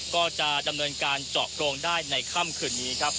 ก็จะดำเนินการเจาะโพรงได้ในค่ำคืนนี้ครับ